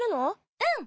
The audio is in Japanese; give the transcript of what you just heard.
うん。